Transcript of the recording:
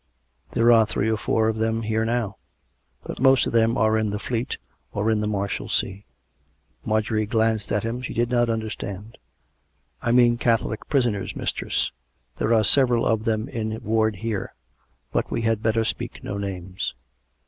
There are three or four of them here now; but the most of them are in the Fleet or the Marshalsea." COME RACK! COME ROPE! 157 Marjorie glanced at him. She did not understand. " I mean Catholic prisoners, mistress. There are several of them in ward here, but we had better speak no names."